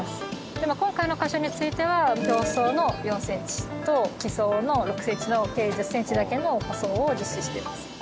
でも今回の箇所については表層の４センチと基層の６センチの計１０センチだけの舗装を実施しています。